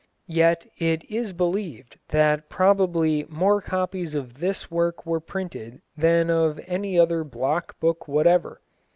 Yet it is believed that probably more copies of this work were printed than of any other block book whatever.